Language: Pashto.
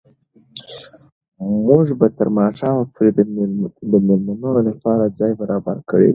موږ به تر ماښامه پورې د مېلمنو لپاره ځای برابر کړی وي.